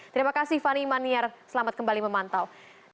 terima kasih fani maniar selamat kembali memantau